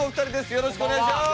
よろしくお願いします！